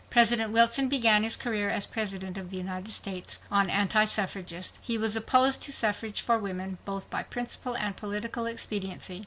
President Wilson began his career as President of the United States an anti suffragist. He was opposed to suffrage for women both by principle and political expediency.